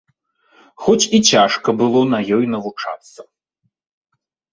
Хоць і цяжка было на ёй навучацца.